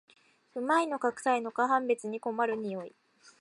旨いのかくさいのか判別に困る匂い